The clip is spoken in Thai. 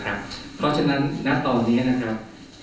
เพราะฉะนั้นณตอนนี้นะครับ